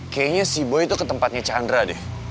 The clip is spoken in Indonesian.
kayaknya si bo itu ke tempatnya chandra deh